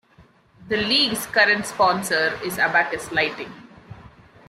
The league's current sponsor is Abacus Lighting.